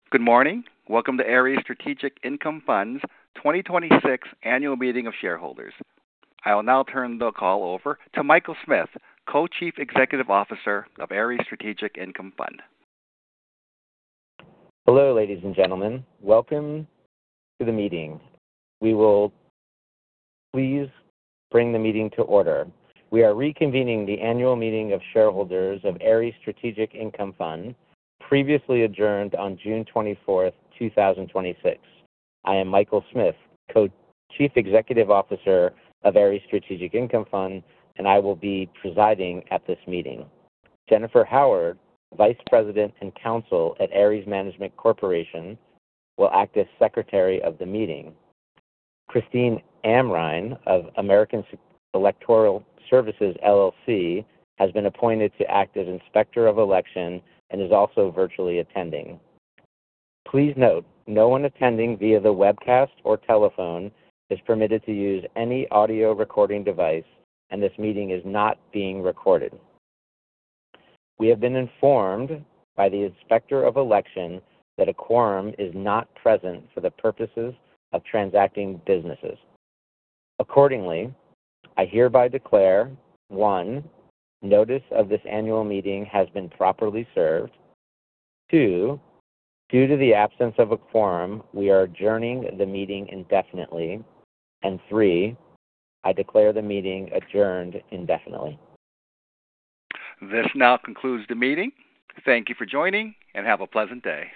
Good morning. Welcome to Ares Strategic Income Fund's 2026 Annual Meeting of Shareholders. I will now turn the call over to Michael Smith, Co-Chief Executive Officer of Ares Strategic Income Fund. Hello, ladies and gentlemen. Welcome to the meeting. We will please bring the meeting to order. We are reconvening the annual meeting of shareholders of Ares Strategic Income Fund, previously adjourned on June 24th, 2026. I am Michael Smith, Co-Chief Executive Officer of Ares Strategic Income Fund, and I will be presiding at this meeting. Jennifer Howard, Vice President and Counsel at Ares Management Corporation, will act as secretary of the meeting. Christine Amrhein of American Election Services, LLC has been appointed to act as Inspector of Election and is also virtually attending. Please note, no one attending via the webcast or telephone is permitted to use any audio recording device, and this meeting is not being recorded. We have been informed by the Inspector of Election that a quorum is not present for the purposes of transacting business. Accordingly, I hereby declare, one, notice of this annual meeting has been properly served. Two, due to the absence of a quorum, we are adjourning the meeting indefinitely. Three, I declare the meeting adjourned indefinitely. This now concludes the meeting. Thank you for joining, and have a pleasant day.